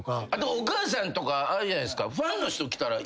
お母さんとかあるじゃないですか。